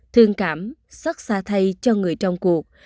thương cảm xót xa thay cho người trong cuộc